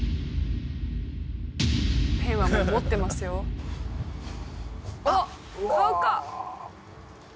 ペンはもう持ってますよ買うか？